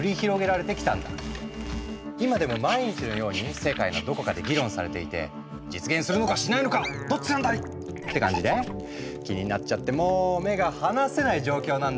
今でも毎日のように世界のどこかで議論されていて「実現するのかしないのかどっちなんだい！」って感じで気になっちゃってもう目が離せない状況なんだ。